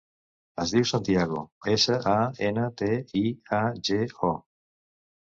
Es diu Santiago: essa, a, ena, te, i, a, ge, o.